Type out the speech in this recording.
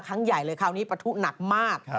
ครั้งใหญ่เลยคราวนี้ประทุหนักมาก